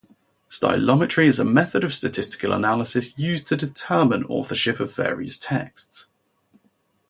Stylometry is a method of statistical analysis used to determine authorship of various texts.